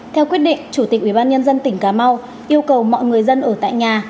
theo quyết định chủ tịch ubnd tỉnh cà mau yêu cầu mọi người dân ở tại nhà